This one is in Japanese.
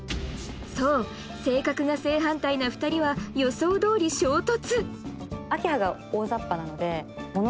そう性格が正反対な２人は予想どおり衝突